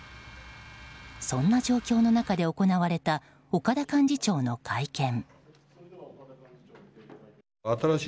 そんな状況の中で行われた岡田幹事長の会見。